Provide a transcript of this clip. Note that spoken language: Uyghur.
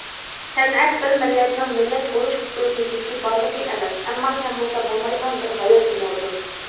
سەنئەت بىر مىللەتنىڭ مىللەت بولۇش خۇسۇسىيىتىدىكى بارلىقى ئەمەس ئەمما كەم بولسا بولمايدىغان بىر ھايات تومۇرىدۇر.